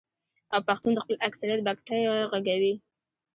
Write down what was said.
او پښتون د خپل اکثريت بګتۍ ږغوي.